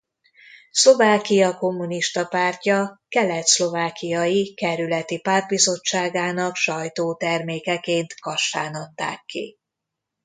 Szlovákia Kommunista Pártja kelet-szlovákiai kerületi pártbizottságának sajtótermékeként Kassán adták ki.